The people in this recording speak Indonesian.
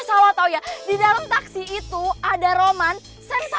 asal lo tau ya di dalam taksi itu ada roman sama ulan